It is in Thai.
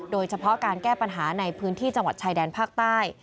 โดยเฉพาะการแก้ปัญหาในพื้นที่จังหวัดชายแดนภาคใต้